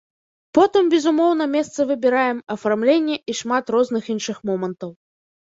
Потым, безумоўна, месца выбіраем, афармленне і шмат розных іншых момантаў.